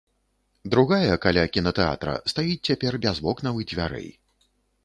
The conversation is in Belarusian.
Другая, каля кінатэатра, стаіць цяпер без вокнаў і дзвярэй.